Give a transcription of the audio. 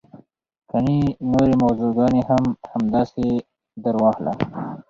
ګڼې نورې موضوع ګانې هم همداسې درواخله.